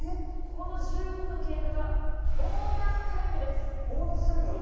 この１５分経過がボーナスタイム？